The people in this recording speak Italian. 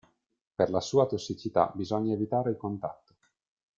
Per la sua tossicità bisogna evitare il contatto.